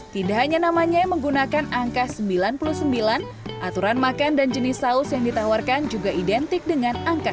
tidak hanya namanya yang menggunakan angka sembilan puluh sembilan aturan makan dan jenis saus yang ditawarkan juga identik dengan angka